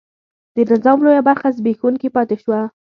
د نظام لویه برخه زبېښونکې پاتې شوه.